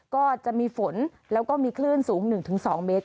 ก็จะมีฝนแล้วก็มีคลื่นสูง๑๒เมตร